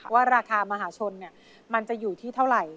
ว่าราคามหาชนมันจะอยู่ที่เท่าไหร่